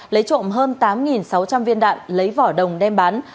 lấy trộm hơn tám sáu trăm linh viên đạn lấy vỏ đồng đem bán